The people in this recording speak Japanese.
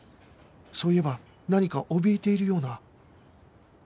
そういえば何かおびえているような